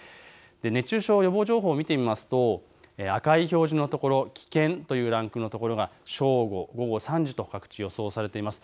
熱中症予防情報を見てみますと赤い表示のところ、危険というランクのところが正午、午後３時と各地予想されています。